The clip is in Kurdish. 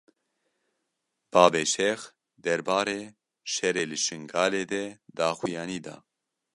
Babe Şêx derbarê şerê li Şingalê de daxuyanî da.